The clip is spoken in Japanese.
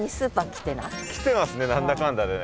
来てますね何だかんだでね。